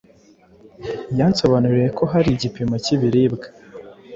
yansobanuriye ko hari igipimo k’ibiribwa